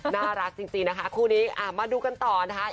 น่ารักจริงนะคะคู่นี้มาดูกันต่อนะคะ